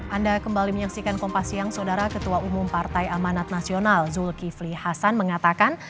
anda kembali menyaksikan kompas siang saudara ketua umum partai amanat nasional zulkifli hasan mengatakan